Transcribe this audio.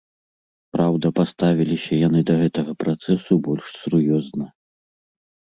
Праўда паставіліся яны да гэтага працэсу больш сур'ёзна.